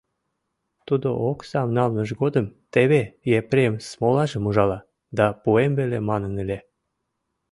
— Тудо оксам налмыж годым, теве Епрем смолажым ужала да пуэм веле манын ыле.